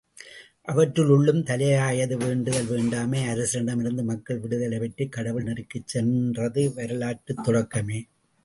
அவற்றினுள்ளும் தலையாயது வேண்டுதல் வேண்டாமை அரசனிடமிருந்து மக்கள் விடுதலை பெற்றுக் கடவுள் நெறிக்குச் சென்றது வரலாற்றுத் தொடக்கமே.